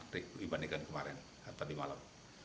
dibandingkan kemarin tadi malam